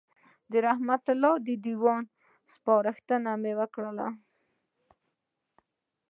د رحمت الله د دېوان سپارښتنه مې وکړه.